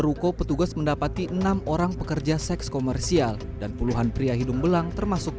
ruko petugas mendapati enam orang pekerja seks komersial dan puluhan pria hidung belang termasuk